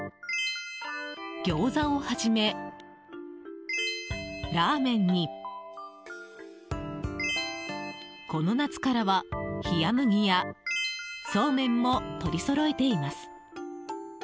ギョーザをはじめ、ラーメンにこの夏からはひやむぎや、そうめんも取りそろえています。